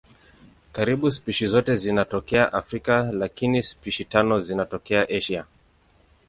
Karibu spishi zote zinatokea Afrika lakini spishi tano zinatokea Asia.